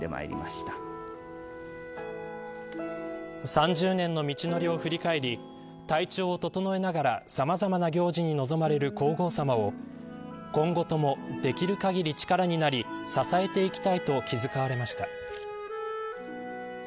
３０年の道のりを振り返り体調を整えながらさまざまな行事に臨まれる皇后さまを今後とも、できるかぎり力になり支えていきたいと気遣われました。